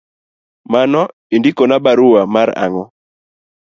Mano indikona barua mar ang’o?